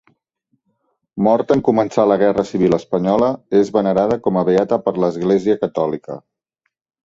Morta en començar la Guerra Civil espanyola, és venerada com a beata per l'Església Catòlica.